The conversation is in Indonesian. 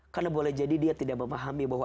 karena boleh jadi dia tidak memahami bahwa